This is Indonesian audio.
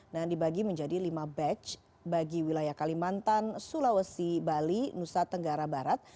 dan dibagi menjadi lima batch bagi wilayah kalimantan sulawesi bali nusa tenggara barat